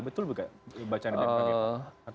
betul bukan bacaannya begitu